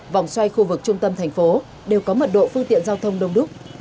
vòng xoay khu vực trung tâm thành phố đều có mật độ phương tiện giao thông đông đúc